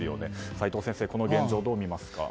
齋藤先生、この現状どう見ますか。